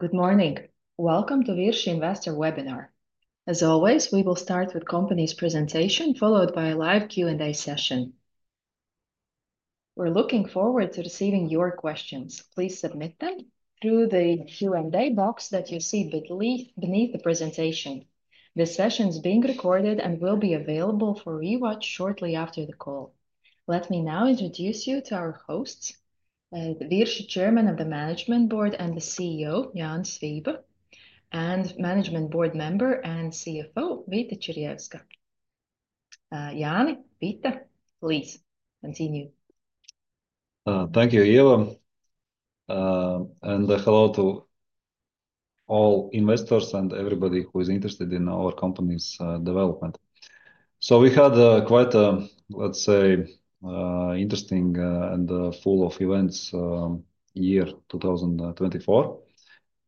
Good morning. Welcome to Virši Investor Webinar. As always, we will start with the company's presentation, followed by a live Q&A session. We're looking forward to receiving your questions. Please submit them through the Q&A box that you see beneath the presentation. This session is being recorded and will be available for rewatch shortly after the call. Let me now introduce you to our hosts, the Virši Chairman of the Management Board and the CEO, Jānis Vība, and Management Board member and CFO, Vita Čirjevska. Jānis, Vita, please continue. Thank you, Ieva. Hello to all investors and everybody who is interested in our company's development. We had quite a, let's say, interesting and full of events year 2024.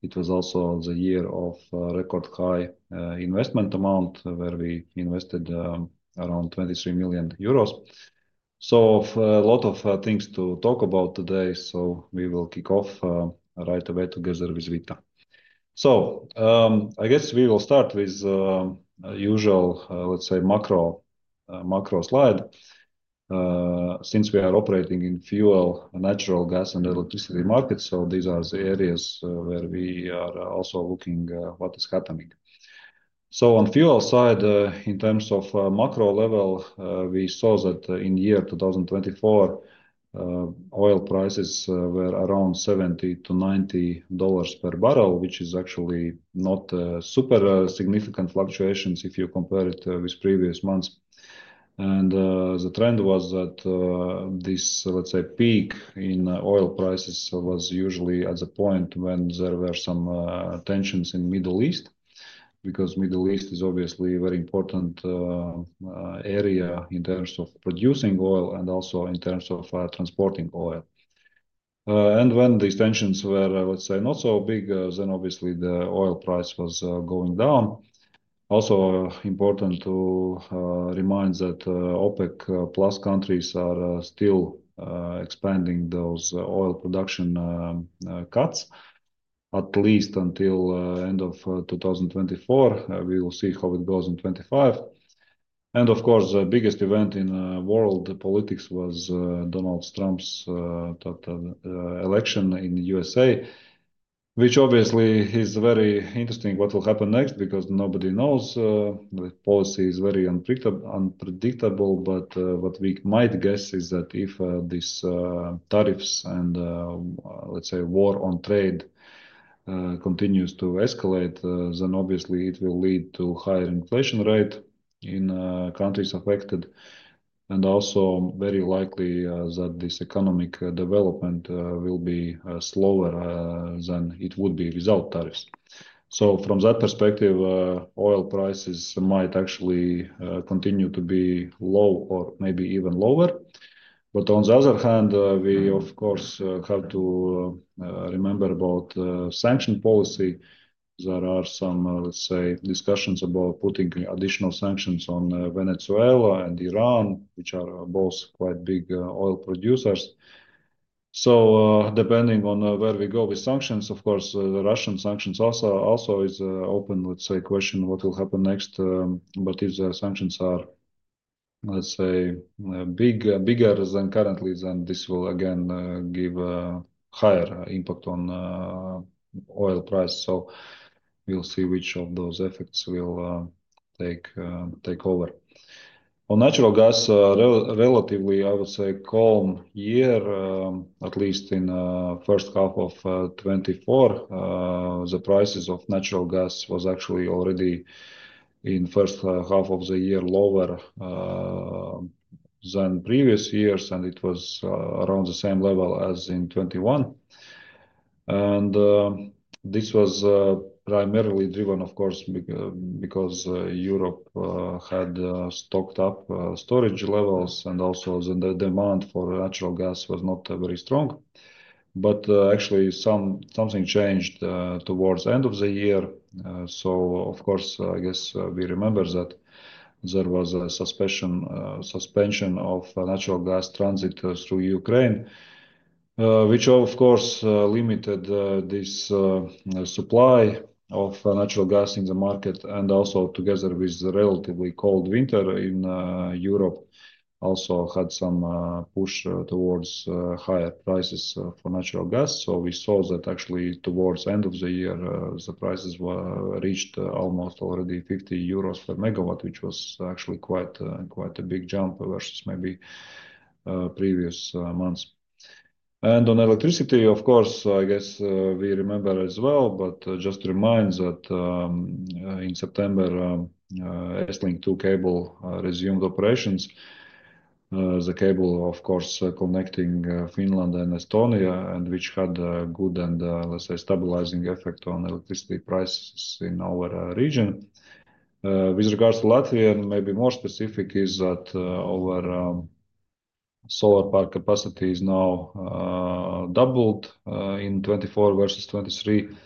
It was also the year of record high investment amount, where we invested around 23 million euros. A lot of things to talk about today. We will kick off right away together with Vita. I guess we will start with the usual, let's say, macro slide. Since we are operating in fuel, natural gas, and electricity markets, these are the areas where we are also looking at what is happening. On the fuel side, in terms of macro level, we saw that in year 2024, oil prices were around $70-$90 per barrel, which is actually not super significant fluctuations if you compare it with previous months. The trend was that this, let's say, peak in oil prices was usually at the point when there were some tensions in the Middle East, because the Middle East is obviously a very important area in terms of producing oil and also in terms of transporting oil. When these tensions were, let's say, not so big, then obviously the oil price was going down. Also important to remind that OPEC+ countries are still expanding those oil production cuts, at least until the end of 2024. We will see how it goes in 2025. Of course, the biggest event in world politics was Donald Trump's election in the USA, which obviously is very interesting what will happen next, because nobody knows. The policy is very unpredictable, but what we might guess is that if these tariffs and, let's say, war on trade continues to escalate, it will lead to a higher inflation rate in countries affected. Also, very likely that this economic development will be slower than it would be without tariffs. From that perspective, oil prices might actually continue to be low or maybe even lower. On the other hand, we, of course, have to remember about sanction policy. There are some, let's say, discussions about putting additional sanctions on Venezuela and Iran, which are both quite big oil producers. Depending on where we go with sanctions, of course, the Russian sanctions also is an open, let's say, question what will happen next. If the sanctions are, let's say, bigger than currently, this will again give a higher impact on oil prices. We will see which of those effects will take over. On natural gas, relatively, I would say, calm year, at least in the H1 of 2024, the prices of natural gas were actually already in the H1 of the year lower than previous years, and it was around the same level as in 2021. This was primarily driven, of course, because Europe had stocked up storage levels, and also the demand for natural gas was not very strong. Actually, something changed towards the end of the year. I guess we remember that there was a suspension of natural gas transit through Ukraine, which of course limited this supply of natural gas in the market. Also, together with the relatively cold winter in Europe, this had some push towards higher prices for natural gas. We saw that actually towards the end of the year, the prices reached almost already 50 euros per Megawatt, which was actually quite a big jump versus maybe previous months. On electricity, of course, I guess we remember as well, but just reminds that in September, EstLink 2 cable resumed operations. The cable, of course, connecting Finland and Estonia, and which had a good and, let's say, stabilizing effect on electricity prices in our region. With regards to Latvia, maybe more specific is that our solar park capacity is now doubled in 2024 versus 2023,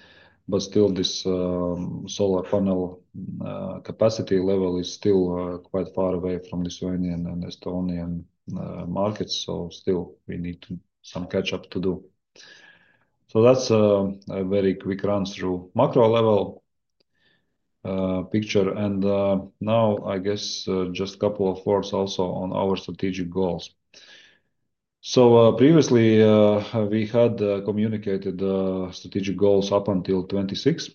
but still this solar panel capacity level is still quite far away from the Estonian and Estonian markets. Still we need some catch-up to do. That is a very quick run through macro level picture. Now I guess just a couple of words also on our strategic goals. Previously we had communicated strategic goals up until 2026,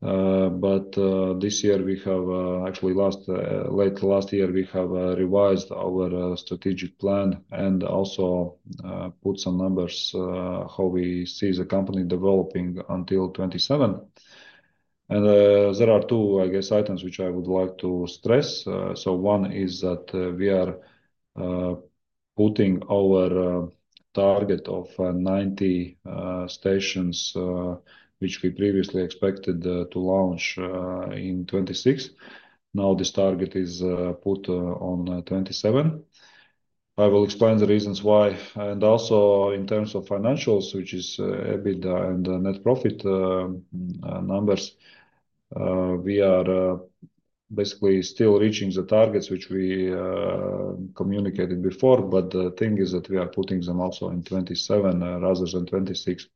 but this year, actually late last year, we have revised our strategic plan and also put some numbers how we see the company developing until 2027. There are two, I guess, items which I would like to stress. One is that we are putting our target of 90 stations, which we previously expected to launch in 2026. Now this target is put on 2027. I will explain the reasons why. Also in terms of financials, which is EBITDA and net profit numbers, we are basically still reaching the targets which we communicated before, but the thing is that we are putting them also in 2027 rather than 2026.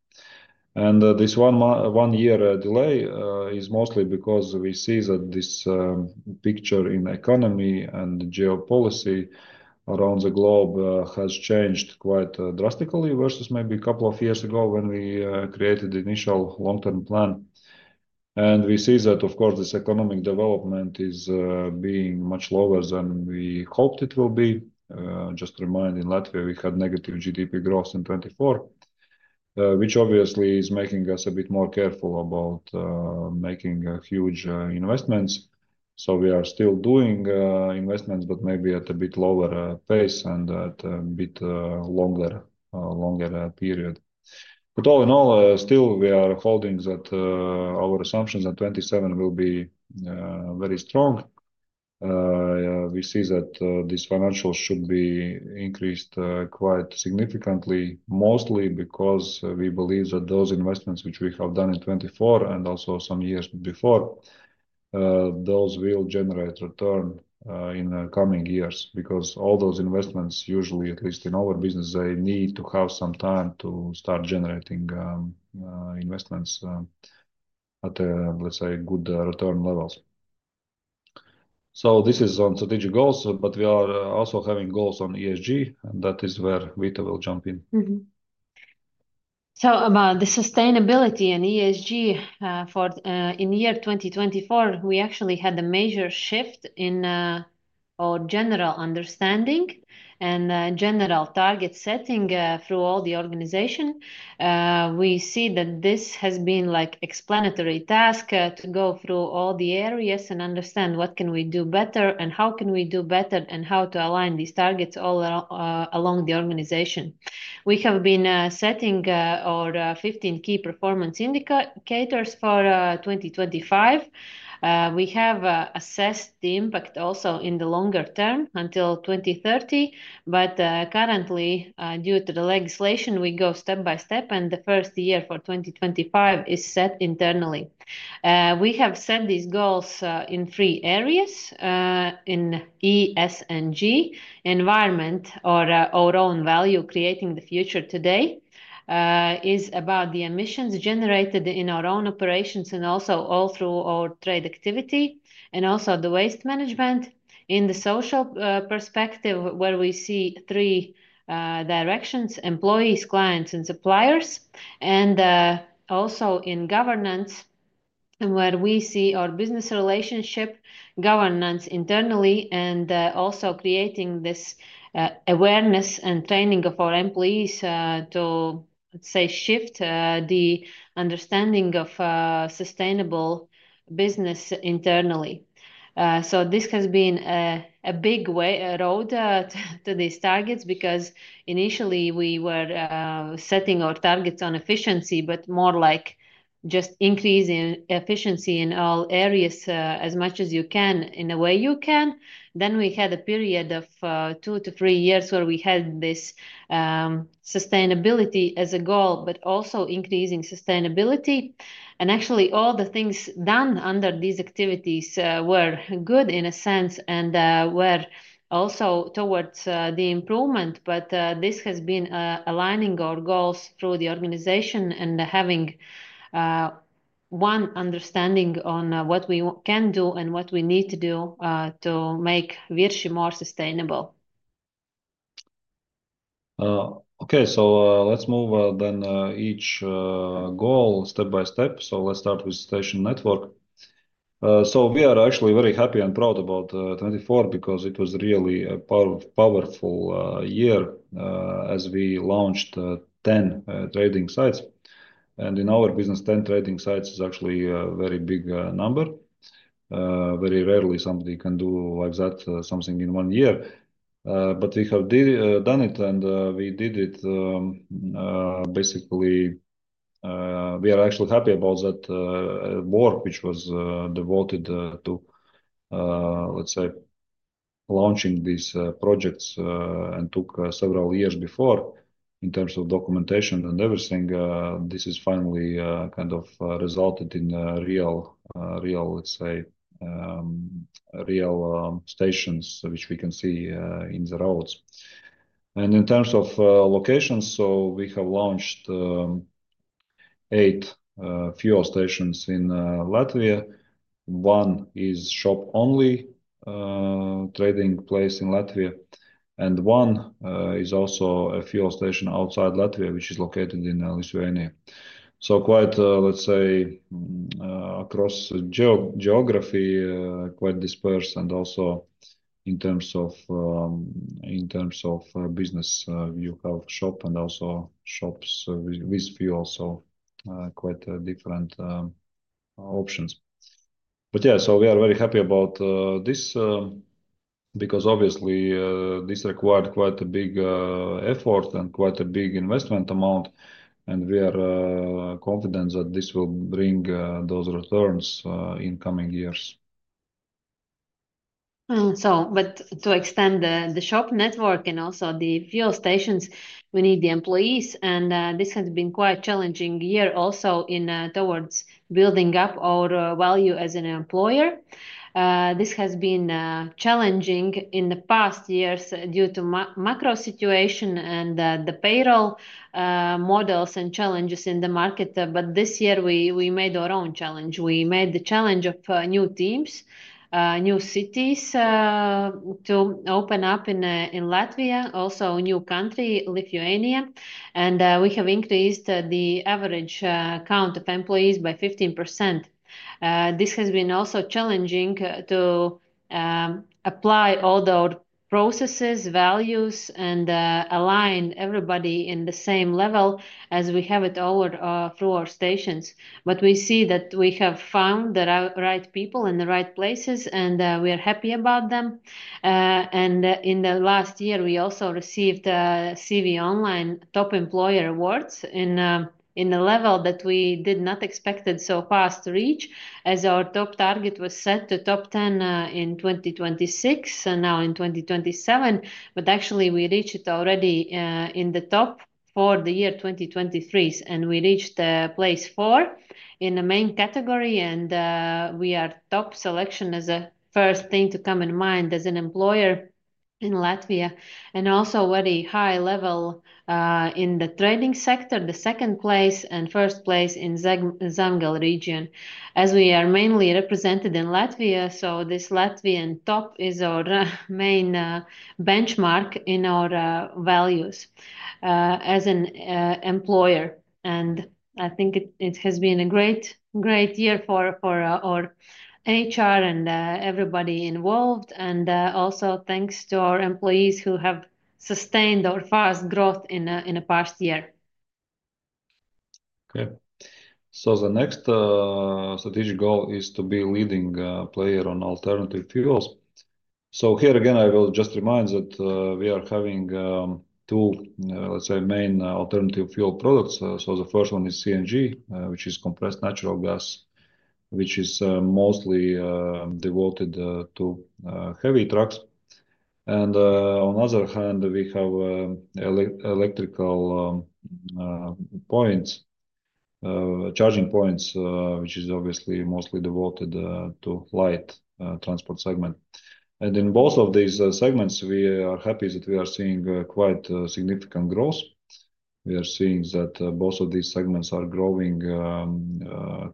This one-year delay is mostly because we see that this picture in economy and geopolicy around the globe has changed quite drastically versus maybe a couple of years ago when we created the initial long-term plan. We see that, of course, this economic development is being much lower than we hoped it will be. Just remind, in Latvia, we had negative GDP growth in 2024, which obviously is making us a bit more careful about making huge investments. We are still doing investments, but maybe at a bit lower pace and at a bit longer period. All in all, still we are holding that our assumptions that 2027 will be very strong. We see that these financials should be increased quite significantly, mostly because we believe that those investments which we have done in 2024 and also some years before, those will generate return in coming years, because all those investments, usually, at least in our business, they need to have some time to start generating investments at, let's say, good return levels. This is on strategic goals, but we are also having goals on ESG, and that is where Vita will jump in. About the sustainability and ESG, in year 2024, we actually had a major shift in our general understanding and general target setting through all the organization. We see that this has been like an explanatory task to go through all the areas and understand what can we do better and how can we do better and how to align these targets all along the organization. We have been setting our 15 key performance indicators for 2025. We have assessed the impact also in the longer term until 2030, but currently, due to the legislation, we go step by step, and the first year for 2025 is set internally. We have set these goals in three areas: in ESG, environment, or our own value, creating the future today, is about the emissions generated in our own operations and also all through our trade activity, and also the waste management. In the social perspective, where we see three directions: employees, clients, and suppliers. Also in governance, where we see our business relationship, governance internally, and also creating this awareness and training of our employees to, let's say, shift the understanding of sustainable business internally. This has been a big road to these targets, because initially we were setting our targets on efficiency, but more like just increasing efficiency in all areas as much as you can in a way you can. We had a period of two to three years where we had this sustainability as a goal, but also increasing sustainability. Actually, all the things done under these activities were good in a sense and were also towards the improvement, but this has been aligning our goals through the organization and having one understanding on what we can do and what we need to do to make Virši more sustainable. Okay, so let's move then each goal step by step. Let's start with station network. We are actually very happy and proud about 2024, because it was really a powerful year as we launched 10 trading sites. In our business, 10 trading sites is actually a very big number. Very rarely somebody can do like that, something in one year. We have done it, and we did it basically. We are actually happy about that work, which was devoted to, let's say, launching these projects and took several years before in terms of documentation and everything. This has finally kind of resulted in real, let's say, real stations, which we can see in the roads. In terms of locations, we have launched eight fuel stations in Latvia. One is a shop-only trading place in Latvia, and one is also a fuel station outside Latvia, which is located in Lithuania. Quite, let's say, across geography, quite dispersed, and also in terms of business, you have shop and also shops with fuel. Quite different options. Yeah, we are very happy about this, because obviously this required quite a big effort and quite a big investment amount, and we are confident that this will bring those returns in coming years. To extend the shop network and also the fuel stations, we need the employees, and this has been quite a challenging year also towards building up our value as an employer. This has been challenging in the past years due to the macro situation and the payroll models and challenges in the market. This year we made our own challenge. We made the challenge of new teams, new cities to open up in Latvia, also a new country, Lithuania. We have increased the average count of employees by 15%. This has been also challenging to apply all the processes, values, and align everybody on the same level as we have it all through our stations. We see that we have found the right people in the right places, and we are happy about them. In the last year, we also received CV-Online top employer awards in a level that we did not expect so fast to reach, as our top target was set to top 10 in 2026, now in 2027. Actually, we reached it already in the top for the year 2023, and we reached place four in the main category, and we are top selection as the first thing to come in mind as an employer in Latvia. Also, very high level in the trading sector, the second place and first place in the Zemgale region, as we are mainly represented in Latvia. This Latvian top is our main benchmark in our values as an employer. I think it has been a great, great year for our HR and everybody involved, and also thanks to our employees who have sustained our fast growth in the past year. Okay. The next strategic goal is to be a leading player on alternative fuels. Here again, I will just remind that we are having two, let's say, main alternative fuel products. The first one is CNG, which is compressed natural gas, which is mostly devoted to heavy trucks. On the other hand, we have electrical points, charging points, which is obviously mostly devoted to the light transport segment. In both of these segments, we are happy that we are seeing quite significant growth. We are seeing that both of these segments are growing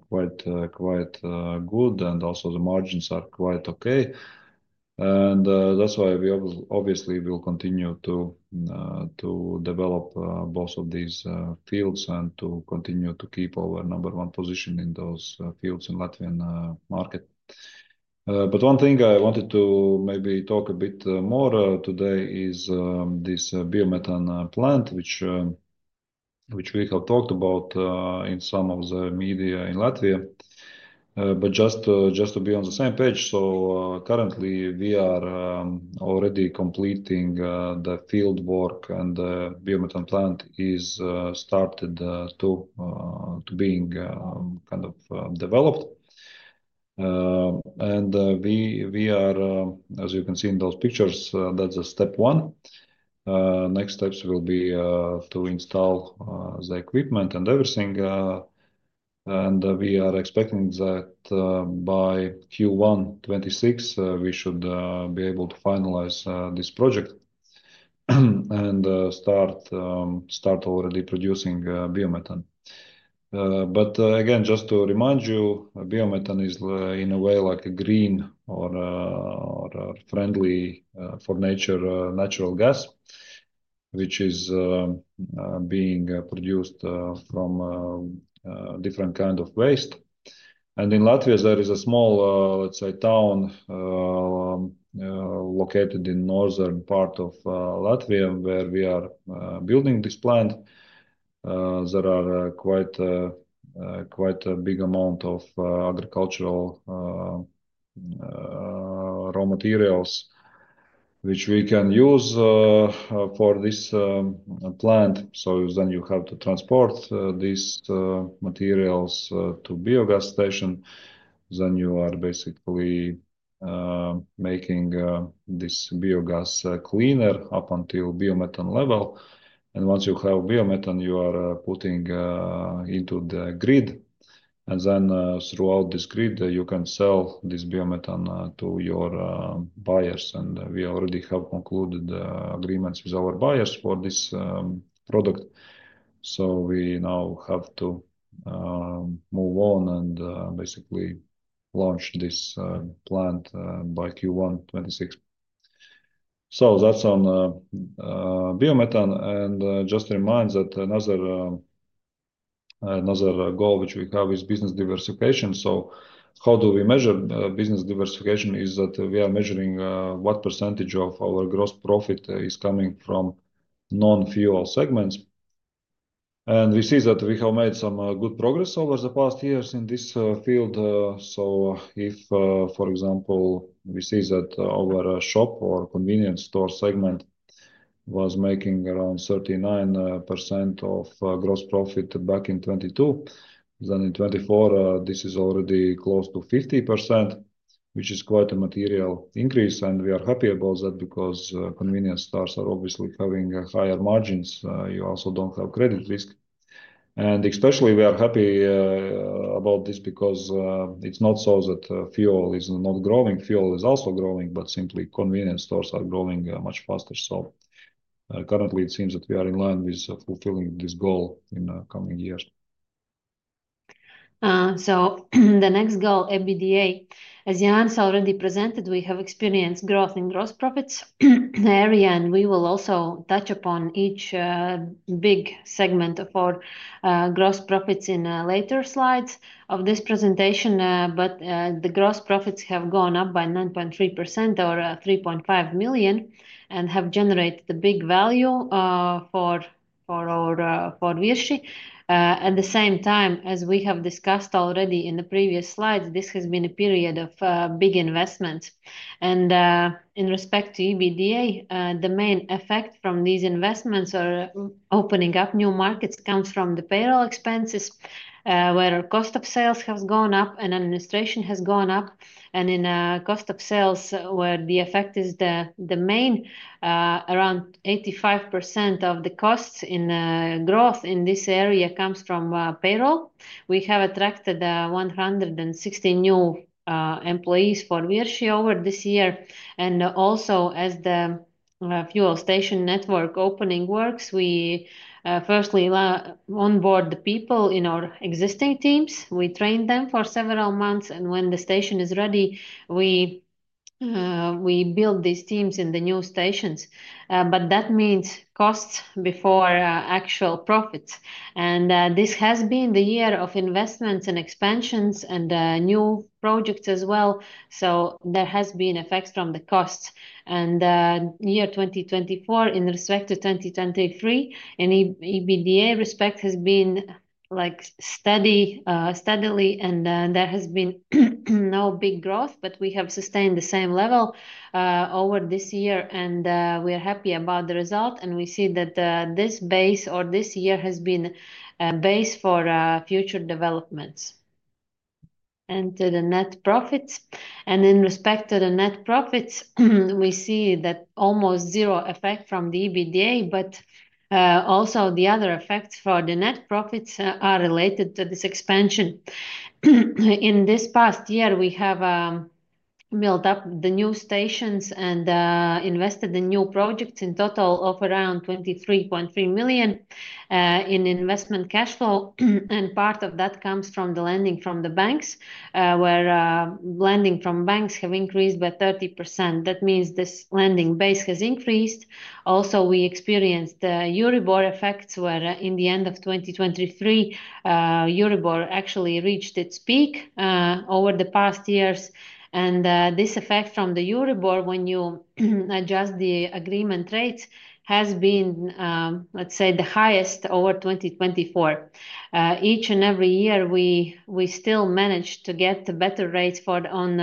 quite good, and also the margins are quite okay. That is why we obviously will continue to develop both of these fields and to continue to keep our number one position in those fields in the Latvian market. But one thing I wanted to maybe talk a bit more today is this biomethane plant, which we have talked about in some of the media in Latvia. Just to be on the same page, currently we are already completing the field work, and the biomethane plant is started to being kind of developed. We are, as you can see in those pictures, that's step one. Next steps will be to install the equipment and everything. We are expecting that by Q1 2026, we should be able to finalize this project and start already producing biomethane. Again, just to remind you, biomethane is in a way like a green or friendly for nature natural gas, which is being produced from different kinds of waste. In Latvia, there is a small, let's say, town located in the northern part of Latvia where we are building this plant. There are quite a big amount of agricultural raw materials which we can use for this plant. You have to transport these materials to a biogas station. You are basically making this biogas cleaner up until biomethane level. Once you have biomethane, you are putting it into the grid. Throughout this grid, you can sell this biomethane to your buyers. We already have concluded agreements with our buyers for this product. We now have to move on and basically launch this plant by Q1 2026. That is on biomethane. Just to remind that another goal which we have is business diversification. How do we measure business diversification? We are measuring what percentage of our gross profit is coming from non-fuel segments. We see that we have made some good progress over the past years in this field. For example, we see that our shop or convenience store segment was making around 39% of gross profit back in 2022. In 2024, this is already close to 50%, which is quite a material increase. We are happy about that because convenience stores are obviously having higher margins. You also do not have credit risk. Especially we are happy about this because it is not so that fuel is not growing. Fuel is also growing, but simply convenience stores are growing much faster. Currently, it seems that we are in line with fulfilling this goal in the coming years. The next goal, EBITDA, as Jānis already presented, we have experienced growth in gross profits area, and we will also touch upon each big segment of our gross profits in later slides of this presentation. The gross profits have gone up by 9.3% or 3.5 million and have generated a big value for Virši. At the same time as we have discussed already in the previous slides, this has been a period of big investments. In respect to EBITDA, the main effect from these investments or opening up new markets comes from the payroll expenses, where cost of sales has gone up and administration has gone up. In cost of sales, where the effect is the main, around 85% of the costs in growth in this area comes from payroll. We have attracted 160 new employees for Virši over this year. Also, as the fuel station network opening works, we firstly onboard the people in our existing teams. We train them for several months, and when the station is ready, we build these teams in the new stations. That means costs before actual profits. This has been the year of investments and expansions and new projects as well. There have been effects from the costs. Year 2024, in respect to 2023, in EBITDA, respect has been steadily, and there has been no big growth, but we have sustained the same level over this year. We are happy about the result, and we see that this base or this year has been a base for future developments. To the net profits. In respect to the net profits, we see that almost zero effect from the EBITDA, but also the other effects for the net profits are related to this expansion. In this past year, we have built up the new stations and invested in new projects in total of around 23.3 million in investment cash flow. Part of that comes from the lending from the banks, where lending from banks have increased by 30%. That means this lending base has increased. Also, we experienced Euribor effects, where in the end of 2023, Euribor actually reached its peak over the past years. This effect from the Euribor, when you adjust the agreement rates, has been, let's say, the highest over 2024. Each and every year, we still managed to get better rates on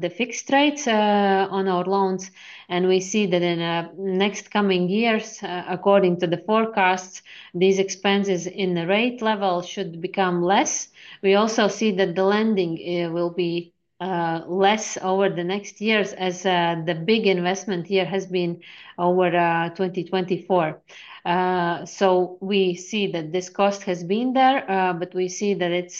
the fixed rates on our loans. We see that in the next coming years, according to the forecasts, these expenses in the rate level should become less. We also see that the lending will be less over the next years as the big investment year has been over 2024. We see that this cost has been there, but we see that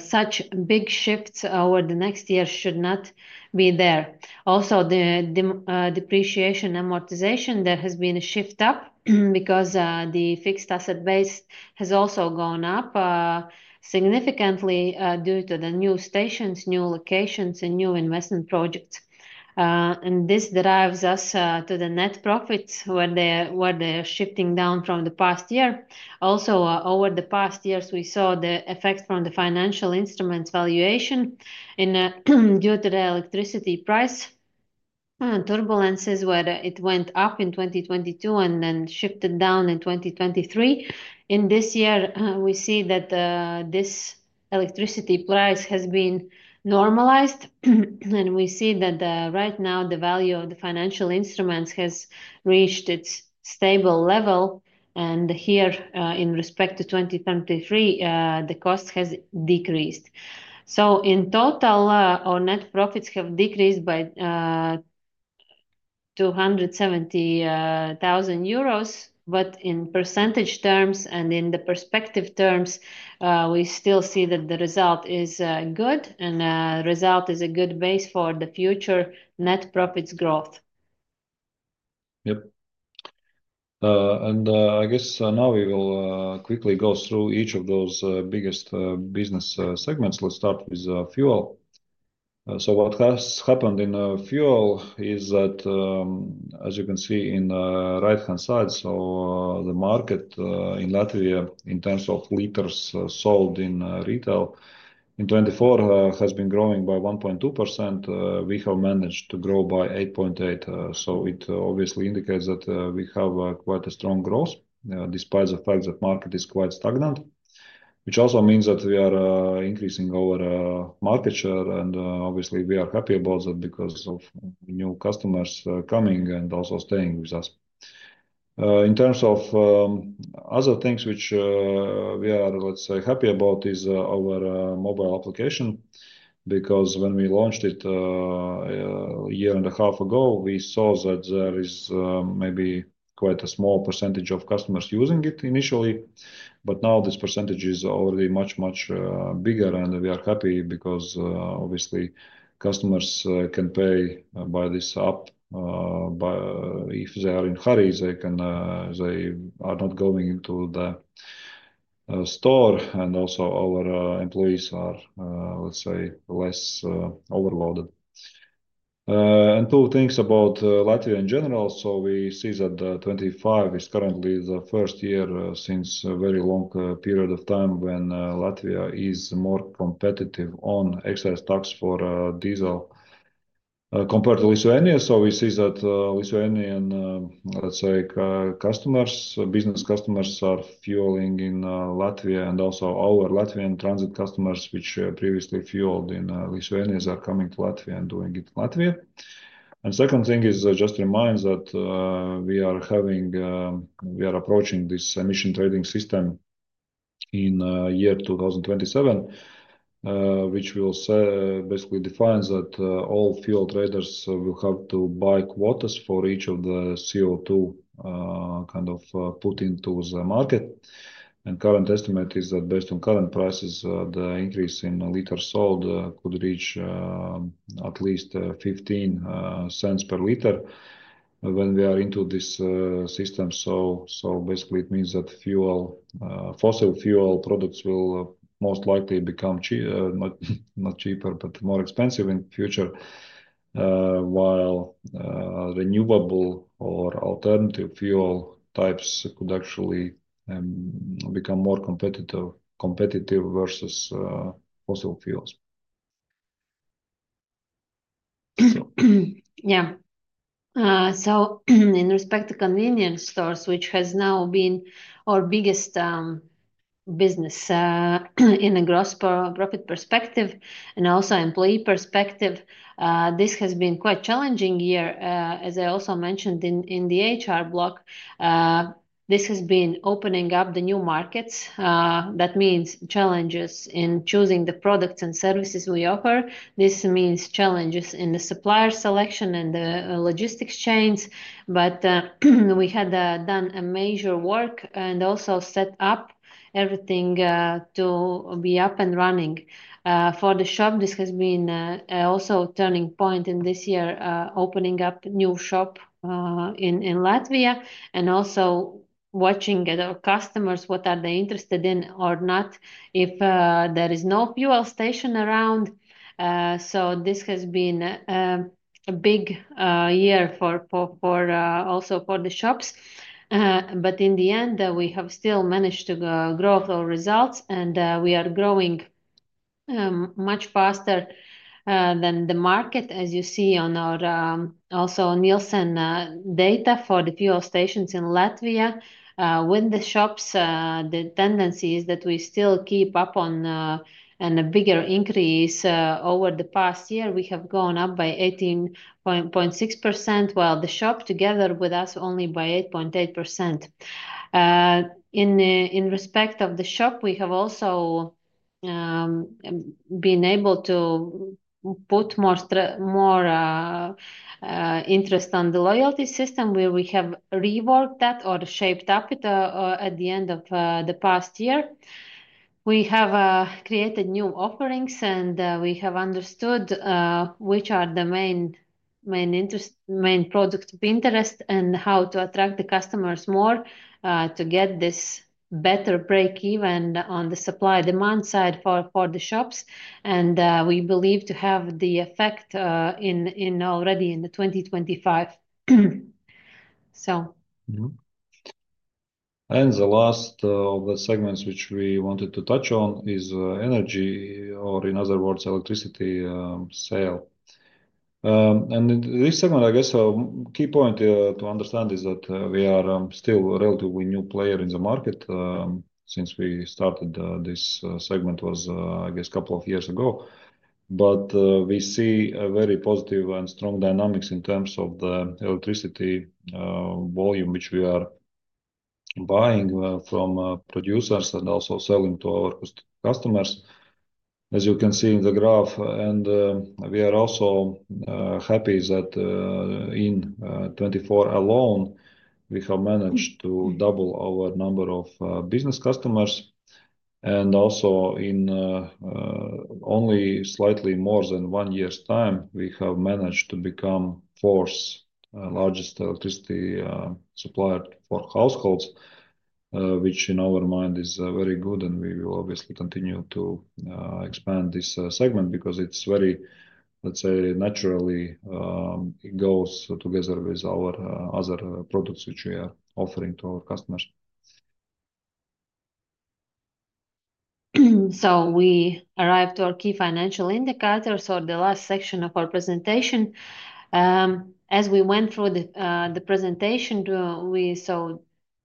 such big shifts over the next year should not be there. Also, the depreciation amortization, there has been a shift up because the fixed asset base has also gone up significantly due to the new stations, new locations, and new investment projects. This derives us to the net profits where they are shifting down from the past year. Also, over the past years, we saw the effect from the financial instruments valuation due to the electricity price turbulences, where it went up in 2022 and then shifted down in 2023. In this year, we see that this electricity price has been normalized, and we see that right now the value of the financial instruments has reached its stable level. Here, in respect to 2023, the cost has decreased. In total, our net profits have decreased by 270,000 euros. In percentage terms and in the perspective terms, we still see that the result is good, and the result is a good base for the future net profits growth. Yep. I guess now we will quickly go through each of those biggest business segments. Let's start with fuel. What has happened in fuel is that, as you can see in the right-hand side, the market in Latvia, in terms of liters sold in retail in 2024, has been growing by 1.2%. We have managed to grow by 8.8%. It obviously indicates that we have quite a strong growth despite the fact that the market is quite stagnant, which also means that we are increasing our market share. Obviously, we are happy about that because of new customers coming and also staying with us. In terms of other things which we are, let's say, happy about is our mobile application because when we launched it a year and a half ago, we saw that there is maybe quite a small percentage of customers using it initially. Now this percentage is already much, much bigger, and we are happy because obviously customers can pay by this app. If they are in hurry, they are not going to the store, and also our employees are, let's say, less overloaded. Two things about Latvia in general. We see that 2025 is currently the first year since a very long period of time when Latvia is more competitive on excise tax for diesel compared to Lithuania. We see that Lithuanian, let's say, business customers are fueling in Latvia, and also our Latvian transit customers, which previously fueled in Lithuania, are coming to Latvia and doing it in Latvia. The second thing is just to remind that we are approaching this emission trading system in year 2027, which will basically define that all fuel traders will have to buy quotas for each of the CO2 kind of put into the market. The current estimate is that based on current prices, the increase in liters sold could reach at least 0.15 per liter when we are into this system. Basically, it means that fossil fuel products will most likely become not cheaper, but more expensive in the future, while renewable or alternative fuel types could actually become more competitive versus fossil fuels. Yeah. In respect to convenience stores, which has now been our biggest business from a gross profit perspective and also employee perspective, this has been quite a challenging year. As I also mentioned in the HR blog, this has been opening up the new markets. That means challenges in choosing the products and services we offer. This means challenges in the supplier selection and the logistics chains. We had done major work and also set up everything to be up and running. For the shop, this has been also a turning point in this year, opening up a new shop in Latvia and also watching our customers, what are they interested in or not if there is no fuel station around. This has been a big year also for the shops. In the end, we have still managed to grow our results, and we are growing much faster than the market, as you see on our also Nielsen data for the fuel stations in Latvia. With the shops, the tendency is that we still keep up on a bigger increase. Over the past year, we have gone up by 18.6%, while the shop together with us only by 8.8%. In respect of the shop, we have also been able to put more interest on the loyalty system, where we have reworked that or shaped up at the end of the past year. We have created new offerings, and we have understood which are the main products of interest and how to attract the customers more to get this better break-even on the supply-demand side for the shops. We believe to have the effect already in 2025. The last of the segments which we wanted to touch on is energy, or in other words, electricity sale. This segment, I guess a key point to understand is that we are still a relatively new player in the market since we started this segment, I guess, a couple of years ago. We see very positive and strong dynamics in terms of the electricity volume, which we are buying from producers and also selling to our customers, as you can see in the graph. We are also happy that in 2024 alone, we have managed to double our number of business customers. Also, in only slightly more than one year's time, we have managed to become the fourth largest electricity supplier for households, which in our mind is very good. We will obviously continue to expand this segment because it's very, let's say, naturally it goes together with our other products, which we are offering to our customers. We arrived to our key financial indicators or the last section of our presentation. As we went through the presentation, we saw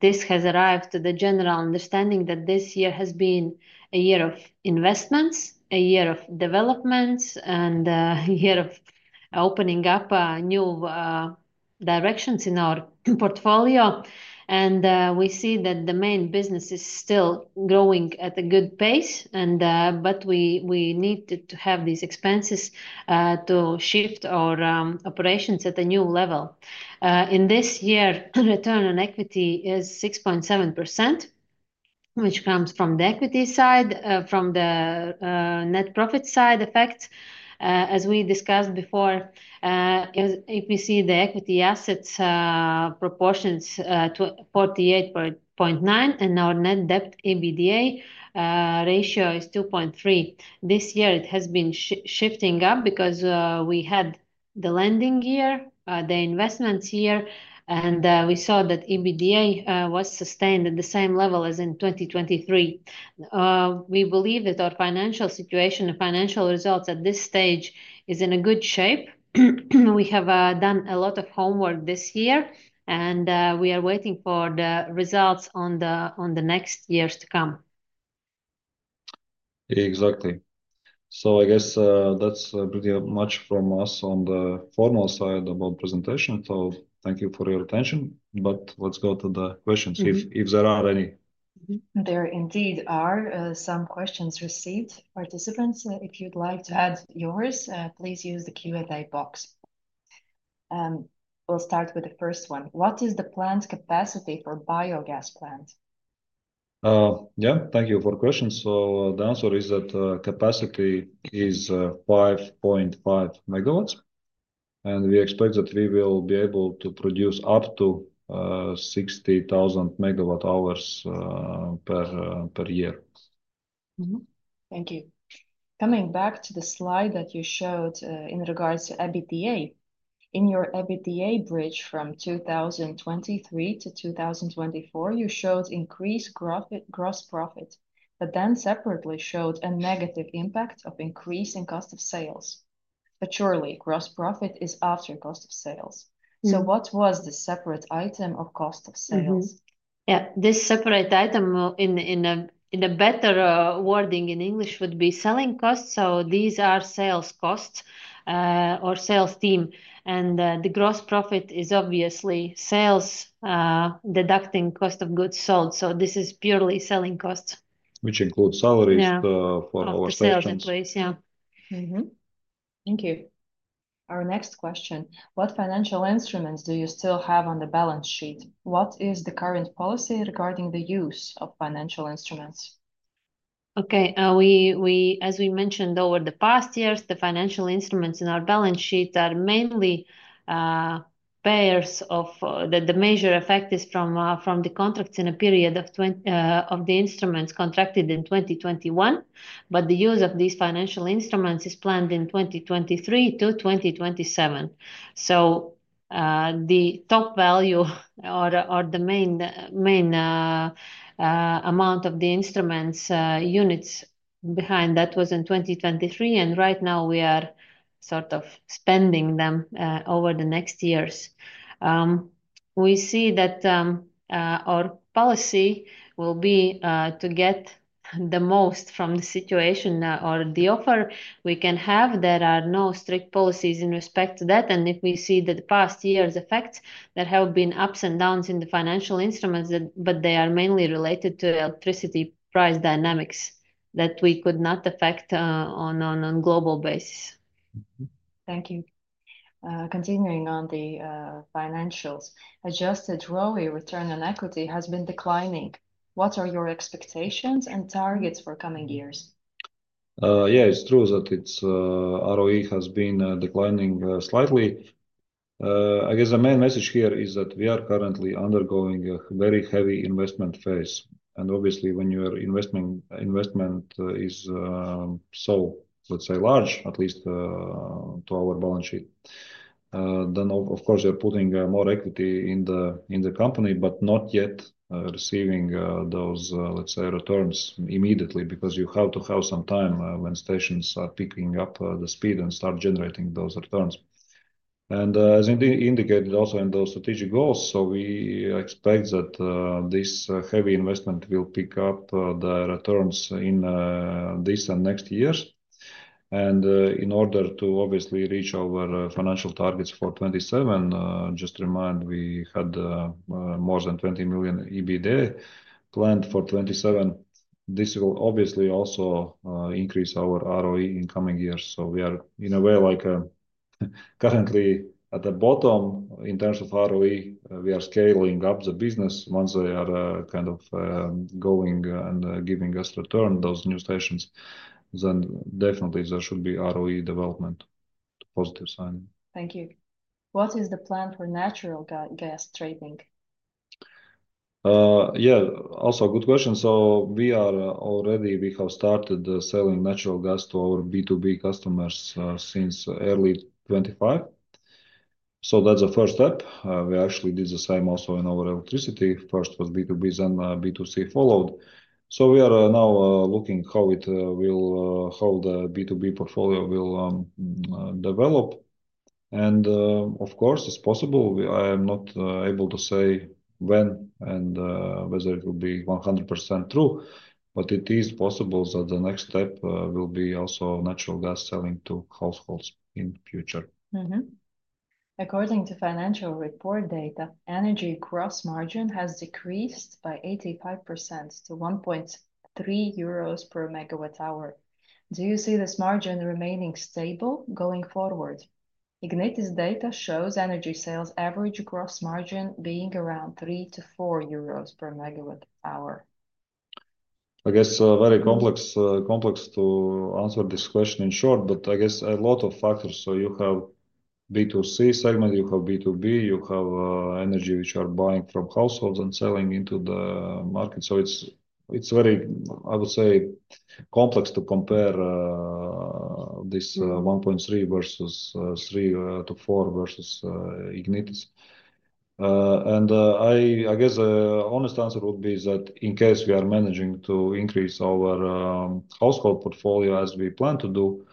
this has arrived to the general understanding that this year has been a year of investments, a year of developments, and a year of opening up new directions in our portfolio. We see that the main business is still growing at a good pace, but we need to have these expenses to shift our operations at a new level. In this year, return on equity is 6.7%, which comes from the equity side, from the net profit side effect. As we discussed before, if we see the equity assets proportions to 48.9%, and our net debt EBITDA ratio is 2.3. This year, it has been shifting up because we had the lending year, the investments year, and we saw that EBITDA was sustained at the same level as in 2023. We believe that our financial situation, our financial results at this stage is in good shape. We have done a lot of homework this year, and we are waiting for the results on the next years to come. Exactly. I guess that's pretty much from us on the formal side about the presentation. Thank you for your attention, but let's go to the questions if there are any. There indeed are some questions received. Participants, if you'd like to add yours, please use the Q&A box. We'll start with the first one. What is the planned capacity for biogas plant? Yeah, thank you for the question. The answer is that capacity is 5.5 Megawatts, and we expect that we will be able to produce up to 60,000 Megawatt-hours per year. Thank you. Coming back to the slide that you showed in regards to EBITDA, in your EBITDA bridge from 2023-2024, you showed increased gross profit, but then separately showed a negative impact of increasing cost of sales. Surely, gross profit is after cost of sales. What was the separate item of cost of sales? Yeah. This separate item, in a better wording in English, would be selling costs. These are sales costs or sales team. The gross profit is obviously sales deducting cost of goods sold. This is purely selling costs. Which includes salaries for our sales employees. Salary employees, yeah. Thank you. Our next question. What financial instruments do you still have on the balance sheet? What is the current policy regarding the use of financial instruments? Okay. As we mentioned, over the past years, the financial instruments in our balance sheet are mainly pairs of the major effect is from the contracts in a period of the instruments contracted in 2021, but the use of these financial instruments is planned in 2023-2027. The top value or the main amount of the instruments units behind that was in 2023, and right now we are sort of spending them over the next years. We see that our policy will be to get the most from the situation or the offer we can have. There are no strict policies in respect to that. If we see that the past year's effects, there have been ups and downs in the financial instruments, but they are mainly related to electricity price dynamics that we could not affect on a global basis. Thank you. Continuing on the financials, adjusted ROE, return on equity has been declining. What are your expectations and targets for coming years? Yeah, it's true that its ROE has been declining slightly. I guess the main message here is that we are currently undergoing a very heavy investment phase. Obviously, when your investment is so, let's say, large, at least to our balance sheet, then of course, you're putting more equity in the company, but not yet receiving those, let's say, returns immediately because you have to have some time when stations are picking up the speed and start generating those returns. As indicated also in those strategic goals, we expect that this heavy investment will pick up the returns in this and next years. In order to obviously reach our financial targets for 2027, just to remind, we had more than 20 million EBITDA planned for 2027. This will obviously also increase our ROE in coming years. We are in a way like currently at the bottom in terms of ROE. We are scaling up the business. Once they are kind of going and giving us return on those new stations, then definitely there should be ROE development, positive sign. Thank you. What is the plan for natural gas trading? Yeah, also a good question. We are already, we have started selling natural gas to our B2B customers since early 2025. That is the first step. We actually did the same also in our electricity. First was B2B, then B2C followed. We are now looking how the B2B portfolio will develop. Of course, it is possible. I am not able to say when and whether it will be 100% true, but it is possible that the next step will be also natural gas selling to households in the future. According to financial report data, energy gross margin has decreased by 85% to 1.3 euros per Megawatt-hour. Do you see this margin remaining stable going forward? Ignitis data shows energy sales average gross margin being around 3-4 euros per Megawatt-hour. I guess very complex to answer this question in short, but I guess a lot of factors. You have B2C segment, you have B2B, you have energy which are buying from households and selling into the market. It is very, I would say, complex to compare this 1.3 versus 3-4 versus Ignitis. I guess the honest answer would be that in case we are managing to increase our household portfolio as we plan to do,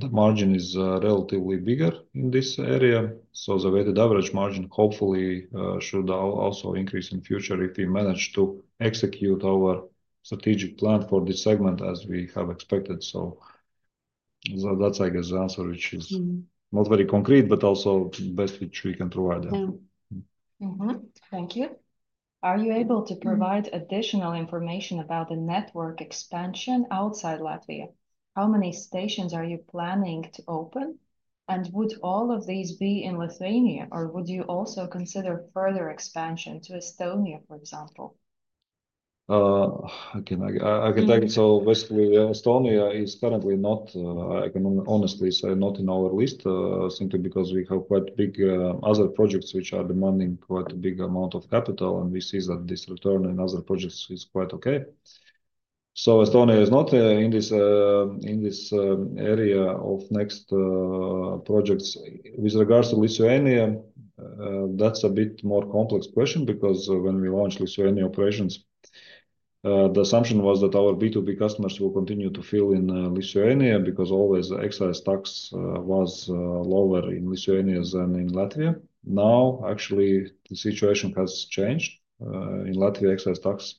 the margin is relatively bigger in this area. The weighted average margin hopefully should also increase in the future if we manage to execute our strategic plan for this segment as we have expected. That is, I guess, the answer, which is not very concrete, but also best which we can provide. Thank you. Are you able to provide additional information about the network expansion outside Latvia? How many stations are you planning to open? Would all of these be in Lithuania, or would you also consider further expansion to Estonia, for example? I can thank you. Basically, Estonia is currently not, I can honestly say, not in our list simply because we have quite big other projects which are demanding quite a big amount of capital, and we see that this return in other projects is quite okay. Estonia is not in this area of next projects. With regards to Lithuania, that's a bit more complex question because when we launched Lithuania operations, the assumption was that our B2B customers will continue to fill in Lithuania because always excise tax was lower in Lithuania than in Latvia. Now, actually, the situation has changed. In Latvia, excise tax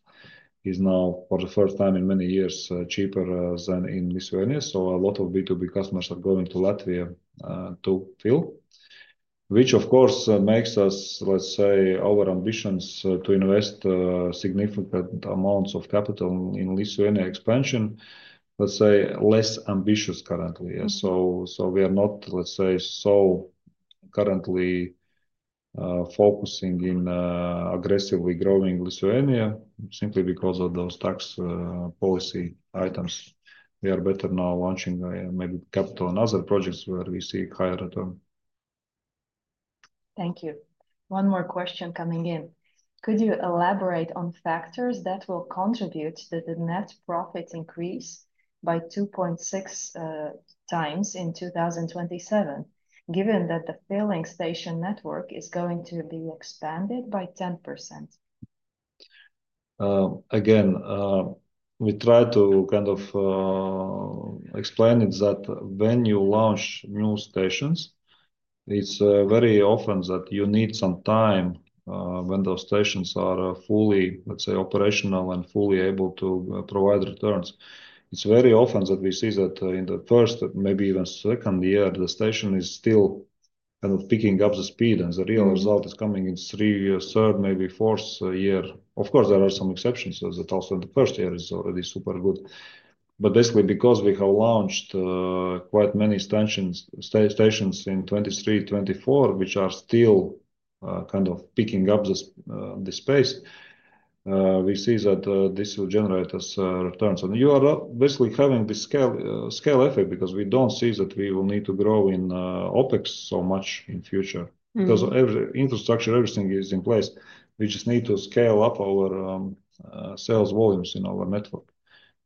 is now for the first time in many years cheaper than in Lithuania. A lot of B2B customers are going to Latvia to fill, which of course makes us, let's say, our ambitions to invest significant amounts of capital in Lithuania expansion, let's say, less ambitious currently. We are not, let's say, so currently focusing in aggressively growing Lithuania simply because of those tax policy items. We are better now launching maybe capital in other projects where we see higher return. Thank you. One more question coming in. Could you elaborate on factors that will contribute to the net profit increase by 2.6x in 2027, given that the filling station network is going to be expanded by 10%? Again, we try to kind of explain it that when you launch new stations, it's very often that you need some time when those stations are fully, let's say, operational and fully able to provide returns. It's very often that we see that in the first, maybe even second year, the station is still kind of picking up the speed, and the real result is coming in three years, third, maybe fourth year. Of course, there are some exceptions that also in the first year is already super good. Basically, because we have launched quite many stations in 2023, 2024, which are still kind of picking up the space, we see that this will generate us returns. You are basically having this scale effect because we don't see that we will need to grow in OpEx so much in the future because infrastructure, everything is in place. We just need to scale up our sales volumes in our network.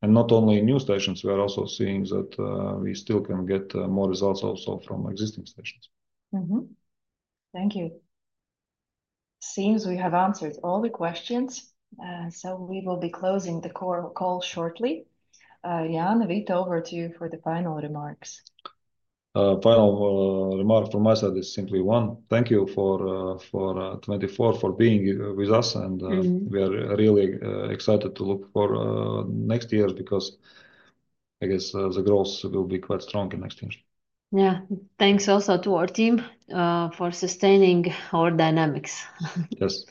Not only new stations, we are also seeing that we still can get more results also from existing stations. Thank you. Seems we have answered all the questions. We will be closing the call shortly. Jānis, Vita, over to you for the final remarks. Final remark from my side is simply one. Thank you for 2024 for being with us, and we are really excited to look for next year because I guess the growth will be quite strong in next year. Yeah. Thanks also to our team for sustaining our dynamics. Yes.